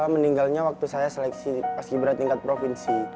mendinggalnya waktu saya seleksi paski bertingkat provinsi